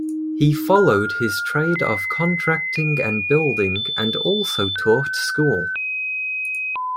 He followed his trade of contracting and building and also taught school.